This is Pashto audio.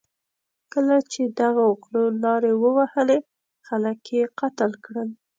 کله چې دغو غلو لارې ووهلې، خلک یې قتل کړل.